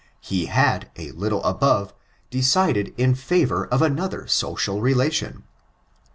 He had, a little above, decided in fevor of another social relation.